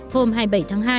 hôm hai mươi bảy tháng hai